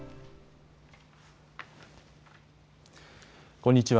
こんにちは。